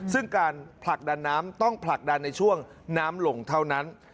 ซึ่งการผลักดันน้ำต้องผลักดันในช่วงน้ำหลงเท่านั้น